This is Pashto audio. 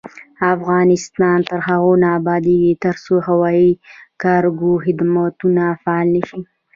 افغانستان تر هغو نه ابادیږي، ترڅو هوایي کارګو خدمتونه فعال نشي.